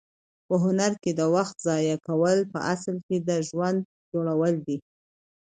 په هنر کې د وخت ضایع کول په اصل کې د ژوند جوړول دي.